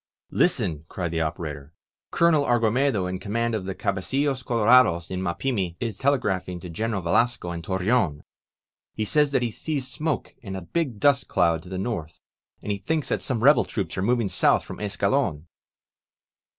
Listen!'' cried the operator. "Colonel Argumedo in command of the cabecttlos colorados in Mapimi is telegraphing to Greneral Yelasco in Torreon. He says that he sees smoke and a big dust cloud to the north, and thinks that some rebel troops are moving south from Escalon